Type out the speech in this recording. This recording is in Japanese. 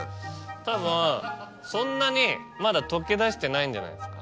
たぶんそんなにまだ溶け出してないんじゃないですか。